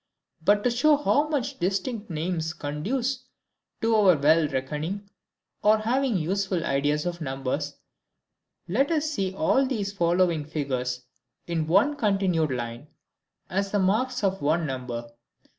But to show how much distinct names conduce to our well reckoning, or having useful ideas of numbers, let us see all these following figures in one continued line, as the marks of one number: v.